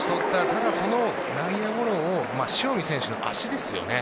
ただ、その内野ゴロを塩見選手の足ですよね。